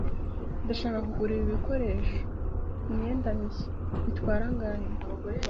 Ndashaka kugura ibi bikoresho kumyenda mishya. Bitwara angahe?